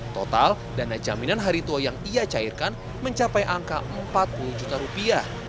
total dana jaminan hari tua yang ia cairkan mencapai angka empat puluh juta rupiah